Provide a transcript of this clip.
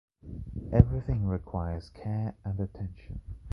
Everything requires care and attention.